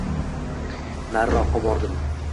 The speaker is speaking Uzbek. Nariroqqa bordim.